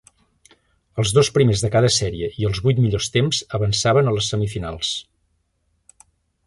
Els dos primers de cada sèrie i els vuit millors temps avançaven a les semifinals.